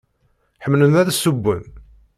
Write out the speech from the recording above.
Ḥemmlen ad ssewwen?